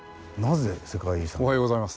おはようございます。